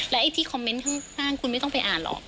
ไอ้ที่คอมเมนต์ข้างคุณไม่ต้องไปอ่านหรอก